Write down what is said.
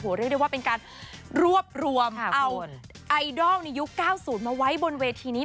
เรียกได้ว่าเป็นการรวบรวมเอาไอดอลในยุค๙๐มาไว้บนเวทีนี้